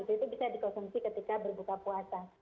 itu bisa dikonsumsi ketika berbuka puasa